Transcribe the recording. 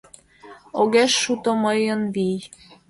Огеш шуто мыйын вий: